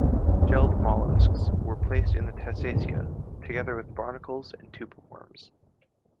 Shelled molluscs were placed in the Testacea, together with barnacles and tube worms.